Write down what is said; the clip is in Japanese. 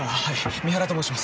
三原と申します。